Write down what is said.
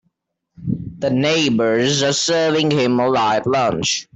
The neighbors are serving him a light lunch.